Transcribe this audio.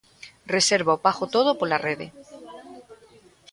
Reserva e pago todo pola Rede.